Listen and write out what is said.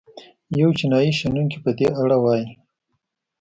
یو چینايي شنونکی په دې اړه وايي.